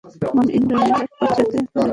মন ইন্দ্রিয়ের পশ্চাতে ধাবিত হয়।